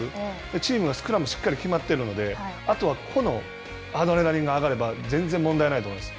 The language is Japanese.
チームのスクラムがしっかり決まってるので、あとは、個のアドレナリンが上がれば全然、問題ないと思います。